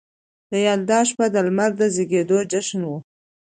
د یلدا شپه د لمر د زیږیدو جشن و